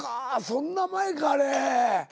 そんな前かあれ。